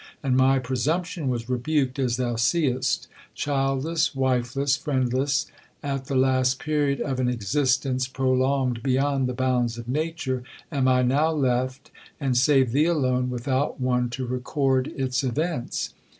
And my presumption was rebuked as thou seest:—childless, wifeless, friendless, at the last period of an existence prolonged beyond the bounds of nature, am I now left, and, save thee alone, without one to record its events.